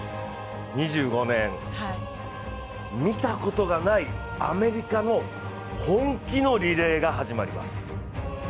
２５年、見たことがないアメリカの本気のリレーが始まります。